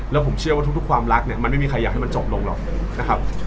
แล้วผมเชื่อว่าทุกความรักเนี่ยมันไม่มีใครอยากให้มันจบลงหรอกนะครับ